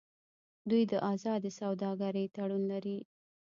دوی د ازادې سوداګرۍ تړون لري.